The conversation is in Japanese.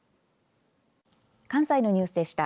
関西のニュースでした。